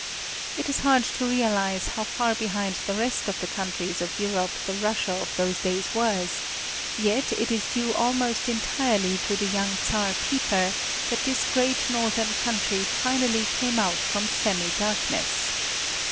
It is hard to realize how far behind the rest of the countries of Europe the Russia of those days was; yet it is due almost entirely to the young Czar Peter that this great northern country finally came out from semi darkness.